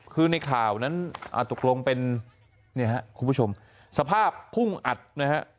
คือในข่าวนั้นตกลงเป็นเนี่ยฮะคุณผู้ชมสภาพพุ่งอัดนะฮะ